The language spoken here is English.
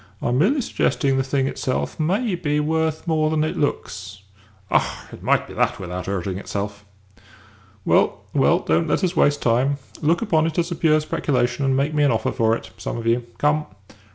I'm merely suggesting the thing itself may be worth more than it looks." "Ah, it might be that without 'urting itself!" "Well, well, don't let us waste time. Look upon it as a pure speculation, and make me an offer for it, some of you. Come."